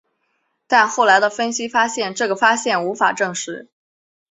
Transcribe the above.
但后来的分析发现这个发现无法证实。